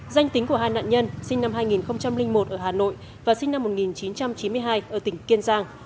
danh tính của hai nạn nhân sinh năm hai nghìn một ở hà nội và sinh năm một nghìn chín trăm chín mươi hai ở tỉnh kiên giang